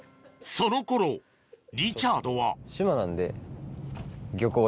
その頃リチャードは島なんで。